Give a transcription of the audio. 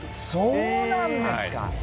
そうなんですか！